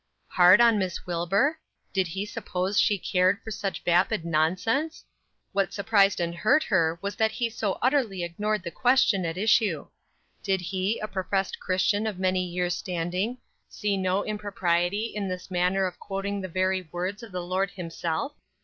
Hard on Miss Wilbur? Did he suppose she cared for such vapid nonsense? What surprised and hurt her was that he so utterly ignored the question at issue. Did he, a professed Christian of many years' standing, see no impropriety in this manner of quoting the very words of the Lord himself!